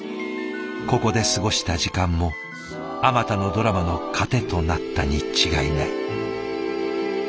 ここで過ごした時間もあまたのドラマの糧となったに違いない。